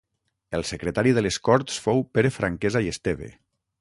El secretari de les corts fou Pere Franquesa i Esteve.